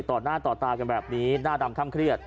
ต่อหน้าต่อตากันแบบนี้หน้าดำค่ำเครียด